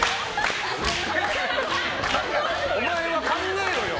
お前は考えろよ。